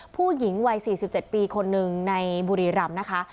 ผู้หญิงวัย๔๗ปีคนหนึ่งในบุรีรำนะคะ